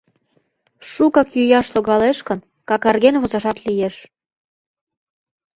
Шукак йӱаш логалеш гын, какарген возашат лиеш».